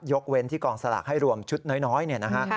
เว้นที่กองสลากให้รวมชุดน้อยเนี่ยนะฮะ